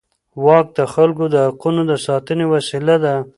واک د خلکو د حقونو د ساتنې وسیله ده.